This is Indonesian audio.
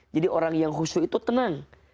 jadi orang yang husu itu tenang